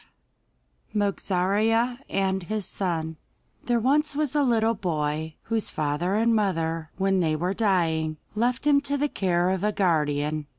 ') MOGARZEA AND HIS SON There was once a little boy, whose father and mother, when they were dying, left him to the care of a guardian.